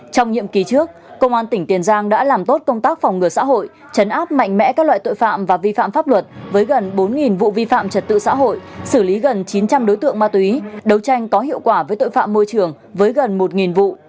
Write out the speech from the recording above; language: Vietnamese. trong nhiệm kỳ trước công an tỉnh tiền giang đã làm tốt công tác phòng ngừa xã hội chấn áp mạnh mẽ các loại tội phạm và vi phạm pháp luật với gần bốn vụ vi phạm trật tự xã hội xử lý gần chín trăm linh đối tượng ma túy đấu tranh có hiệu quả với tội phạm môi trường với gần một vụ